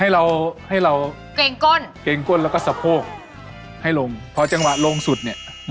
จะเก่งที่สุดใช่ไหม